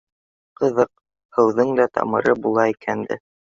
— Ҡыҙыҡ, һыуҙың да тамыры була икән дә